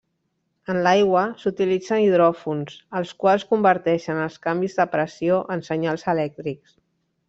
En l'aigua, s'utilitzen hidròfons, els quals converteixen els canvis de pressió en senyals elèctrics.